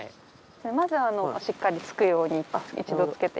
まずしっかりつくように一度つけて。